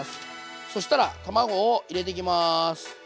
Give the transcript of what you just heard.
そしたら卵を入れていきます。